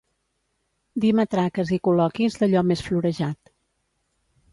Dir matraques i col·loquis d'allò més florejat.